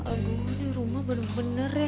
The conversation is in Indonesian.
aduh ini rumah bener bener ya